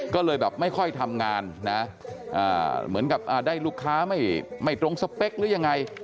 ก็เลยแบบไม่ค่อยทำงานนะเหมือนกับได้ลูกค้าไม่ตรงสเปคหรือยังไง